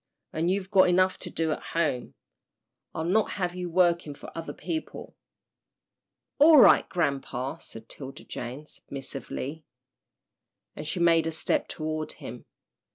And you've got enough to do at home. I'll not have you working for other people." "All right, grampa," said 'Tilda Jane, submissively, and she made a step toward him.